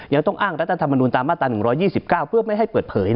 ยังต้องอ้างรัฐธรรมนุนตามมาตรา๑๒๙เพื่อไม่ให้เปิดเผย